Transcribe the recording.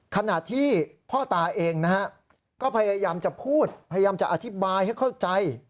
ขณะที่พ่อตาเองนะฮะก็พยายามจะพูดพยายามจะอธิบายให้เข้าใจ